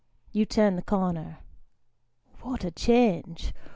You turn the corner. What a change